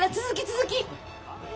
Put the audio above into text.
続き続き。